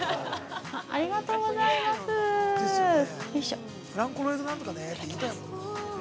ありがとうございます、よいしょ。